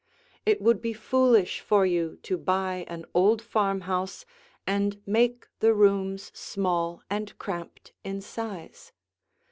It would be foolish for you to buy an old farmhouse and make the rooms small and cramped in size.